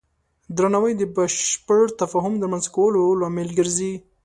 درناوی د بشپړ تفاهم د رامنځته کولو لامل ګرځي.